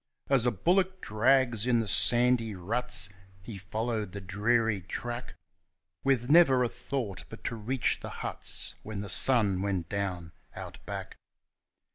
As a bullock drags in the sandy ruts, he followed the dreary track, With never a thought but to reach the huts when the sun went down Out Back.